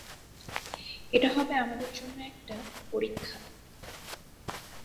এটা হবে আমাদের জন্য একটা পরীক্ষা।